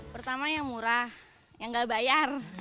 pertama yang murah yang nggak bayar